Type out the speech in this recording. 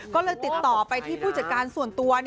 ก็เลยติดต่อไปที่ผู้จัดการส่วนตัว